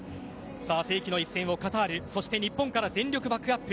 世紀の一戦をカタールそして日本から全力バックアップ。